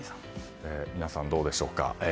皆さん、どうでしょうか。